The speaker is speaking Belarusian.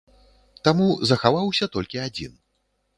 Таму захаваўся толькі адзін.